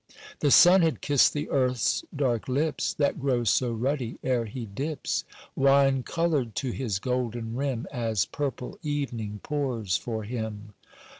"The sun had kissed the earth's dark lips That grow so ruddy ere he dips, Wine coloured to his golden rim, As purple evening pours for him.